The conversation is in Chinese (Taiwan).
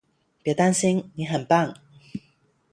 別擔心，你很棒